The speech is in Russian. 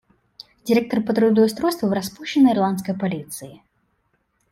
Директор по трудоустройству в распущенной Ирландской полиции.